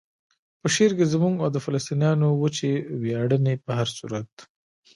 په شعر کې زموږ او د فلسطینیانو وچې ویاړنې په هر صورت.